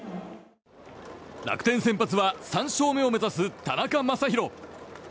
楽天先発は３勝目を目指す田中将大。